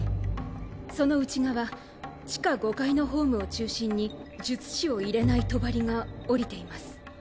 その内側地下５階のホームを中心に術師を入れない帳が下りています。